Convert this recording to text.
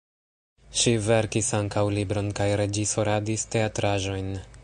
Ŝi verkis ankaŭ libron kaj reĝisoradis teatraĵojn.